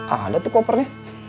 ada tuh kopernya